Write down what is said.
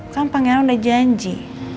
kan pangeran udah janji